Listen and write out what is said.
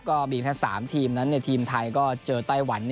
ก็เบียงแถ่น๓ทีมแล้วทีมไทยจะเจอไต้หวัน